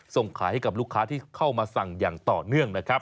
ส่งขายให้กับลูกค้าที่เข้ามาสั่งอย่างต่อเนื่องนะครับ